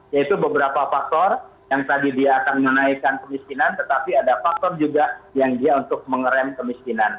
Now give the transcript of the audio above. yaitu beberapa faktor yang tadi dia akan menaikkan kemiskinan tetapi ada faktor juga yang dia untuk mengerem kemiskinan